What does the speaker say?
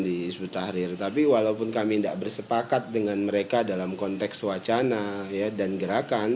disebut tahrir tapi walaupun kami ndak bersepakat dengan mereka dalam konteks wacana ya dan gerakan